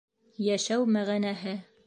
Йәшәү мәғәнәһе.